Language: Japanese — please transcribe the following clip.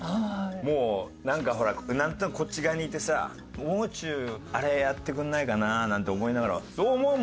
もうなんかほらなんとなくこっち側にいてさもう中あれやってくれないかななんて思いながら「どう思う？